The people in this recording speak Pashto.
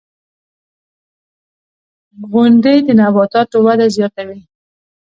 • غونډۍ د نباتاتو وده زیاتوي.